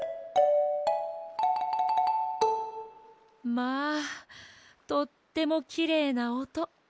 まあとってもきれいなおと。